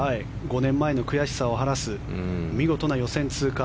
５年前の悔しさを晴らす見事な予選通過。